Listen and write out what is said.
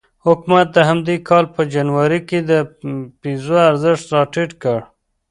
حکومت د همدې کال په جنوري کې د پیزو ارزښت راټیټ کړ.